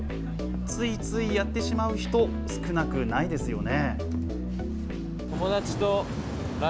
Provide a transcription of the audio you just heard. ついついやってしまう人、少なくないですよね。